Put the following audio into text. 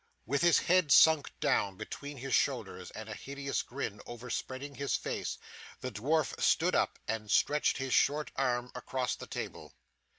With his head sunk down between his shoulders, and a hideous grin over spreading his face, the dwarf stood up and stretched his short arm across the table.